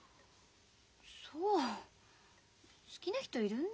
そう好きな人いるんだ。